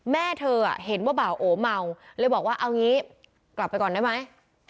แม่เธอเห็นว่าบ่าโอเมาเลยบอกว่าเอางี้กลับไปก่อนได้ไหม